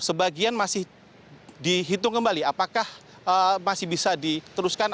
sebagian masih dihitung kembali apakah masih bisa diteruskan